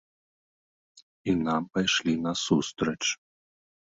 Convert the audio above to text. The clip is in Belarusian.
І нам пайшлі насустрач.